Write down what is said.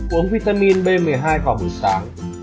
uống vitamin b một mươi hai vào buổi sáng